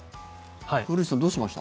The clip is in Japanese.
古市さん、どうしました？